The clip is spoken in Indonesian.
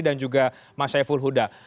dan juga mas syaiful huda